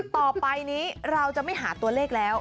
ต่อไปนี้เราจะไม่หาตัวเลขแล้ว